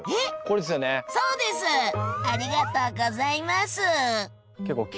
ありがとうございます！